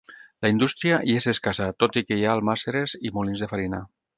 La indústria hi és escassa, tot i que hi ha almàsseres i molins de farina.